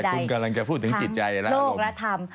แต่คุณกำลังจะพูดถึงจิตใจและอารมณ์